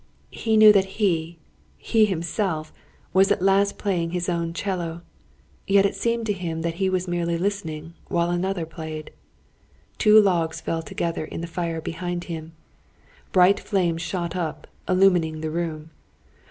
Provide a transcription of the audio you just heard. He knew that he he himself was at last playing his own 'cello. Yet it seemed to him that he was merely listening, while another played. Two logs fell together in the fire behind him. Bright flames shot up, illumining the room.